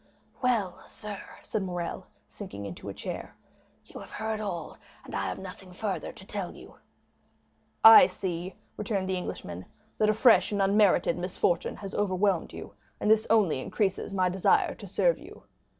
"Well, sir," said Morrel, sinking into a chair, "you have heard all, and I have nothing further to tell you." "I see," returned the Englishman, "that a fresh and unmerited misfortune has overwhelmed you, and this only increases my desire to serve you."